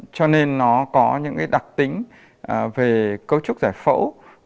cho nên nó có những đặc tính về cấu trúc giải phẫu